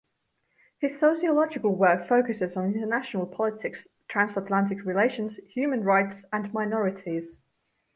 His sociological work focuses on international politics, transatlantic relations, human rights, and minorities.